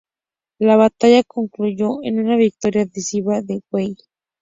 La batalla concluyó en una victoria decisiva de Wei.